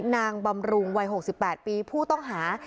บำรุงวัย๖๘ปีผู้ต้องหา